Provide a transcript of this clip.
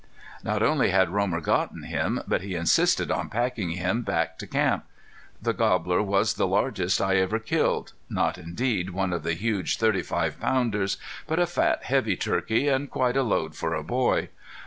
Not only had Romer gotten him, but he insisted on packing him back to camp. The gobbler was the largest I ever killed, not indeed one of the huge thirty five pounders, but a fat, heavy turkey, and quite a load for a boy.